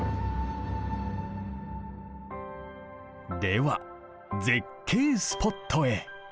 では絶景スポットへ。